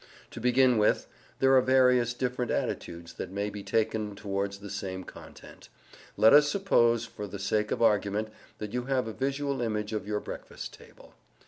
To begin with, there are various different attitudes that may be taken towards the same content. Let us suppose, for the sake of argument, that you have a visual image of your breakfast table.